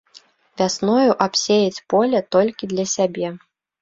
Вясною абсеяць поле толькі для сябе.